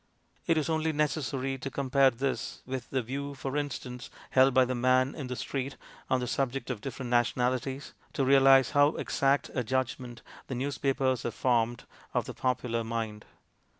It is only necessary to com pare this with the view, for instance, held by the man in the street on the subject of different nationalities to realize how exact a judgment the newspapers have formed of the popular mind.